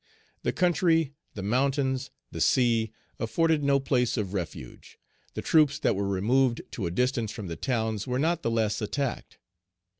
The country, the mountains, the sea, afforded no place of refuge. The troops that were removed to a distance from the towns were not the less attacked.